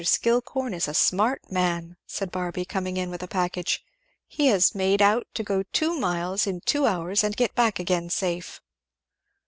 "Mr. Skillcorn is a smart man!" said Barby coming in with a package, "he has made out to go two miles in two hours and get back again safe!"